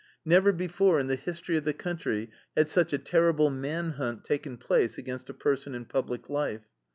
Never before in the history of the country had such a terrible man hunt taken place against a person in public life.